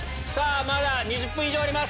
まだ２０分以上あります。